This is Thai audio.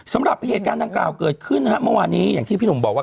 สำหรับเหตุการณ์ดังกล่าวเกิดขึ้นนะฮะเมื่อวานนี้อย่างที่พี่หนุ่มบอกว่า